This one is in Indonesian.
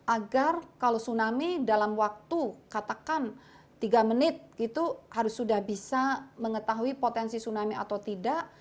agar kalau tsunami dalam waktu katakan tiga menit itu harus sudah bisa mengetahui potensi tsunami atau tidak